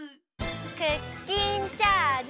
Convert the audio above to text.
クッキンチャージ！